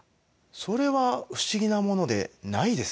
それは不思議なものでないですね。